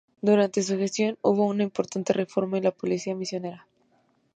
Durante su gestión hubo una importante reforma en la policía misionera.